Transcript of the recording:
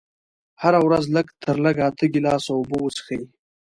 هره ورځ لږ تر لږه اته ګيلاسه اوبه وڅښئ.